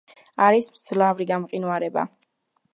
არის მძლავრი გამყინვარება.